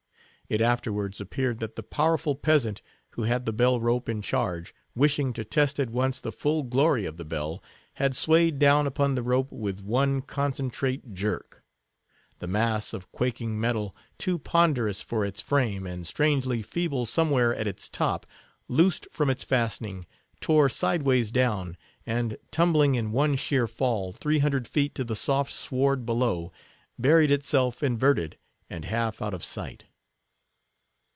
It afterwards appeared that the powerful peasant, who had the bell rope in charge, wishing to test at once the full glory of the bell, had swayed down upon the rope with one concentrate jerk. The mass of quaking metal, too ponderous for its frame, and strangely feeble somewhere at its top, loosed from its fastening, tore sideways down, and tumbling in one sheer fall, three hundred feet to the soft sward below, buried itself inverted and half out of sight.